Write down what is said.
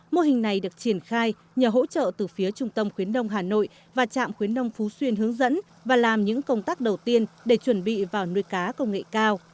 mô hình này được triển khai nhờ hỗ trợ từ phía trung tâm khuyến đông hà nội và trạm khuyến nông phú xuyên hướng dẫn và làm những công tác đầu tiên để chuẩn bị vào nuôi cá công nghệ cao